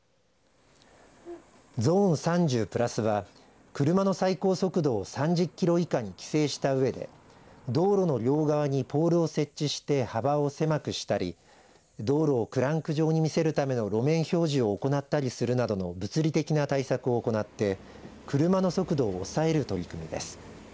ゾーン３０プラスは車の最高速度を３０キロ以下に規制したうえで道路の両側にポールを設置して幅を狭くしたり道路をクランク状に見せるための路面標示を行ったりするなどの物理的な対策を行って車の速度を抑える取り組みです。